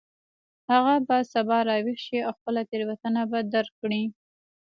هغه به سبا راویښ شي او خپله تیروتنه به درک کړي